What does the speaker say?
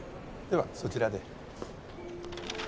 ではそちらで。